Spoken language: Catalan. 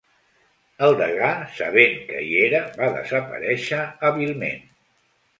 El degà, sabent que hi era, va desaparèixer hàbilment.